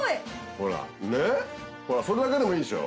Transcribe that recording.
ほらそれだけでもいいでしょ。